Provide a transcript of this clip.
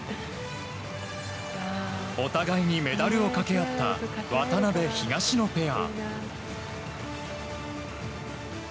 お互いにメダルをかけ合った渡辺、東野ペア。